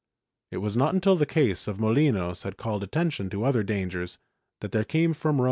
It was not until the case of Molinos had called attention to other dangers that there came from Rome 1 Ambrosian MSS.